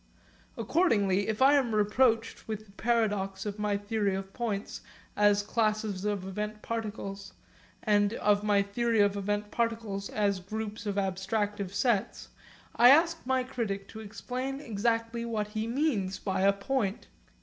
Accordingly if I am reproached with the paradox of my theory of points as classes of event particles, and of my theory of event particles as groups of abstractive sets, I ask my critic to explain exactly what he means by a point.